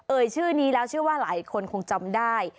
ชื่อนี้แล้วเชื่อว่าหลายคนคงจำได้